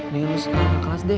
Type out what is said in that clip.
mendingan lu kelas deh